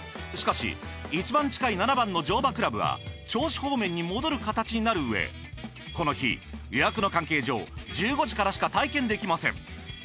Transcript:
しかし一番近い７番の乗馬クラブは銚子方面に戻る形になるうえこの日予約の関係上１５時からしか体験できません。